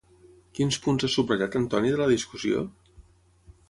Quins punts ha subratllat Antoni de la discussió?